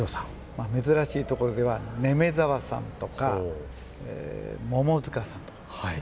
珍しいところでは根目沢さんとか、百々塚さん。